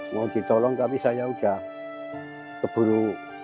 mau ditolong tapi saya sudah keburu